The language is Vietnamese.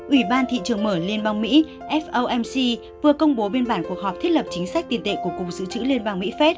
ủy ban thị trường mở liên bang mỹ fomc vừa công bố biên bản cuộc họp thiết lập chính sách tiền tệ của cục sự trữ liên bang mỹ phép